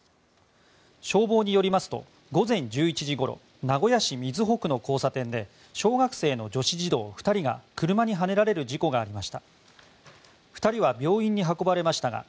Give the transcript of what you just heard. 消防によりますと午前１１時ごろ名古屋市瑞穂区の交差点で小学生の女子児童２人が車にはねられる事故がありました。